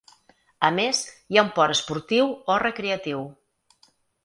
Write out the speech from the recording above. A més, hi ha un port esportiu o recreatiu.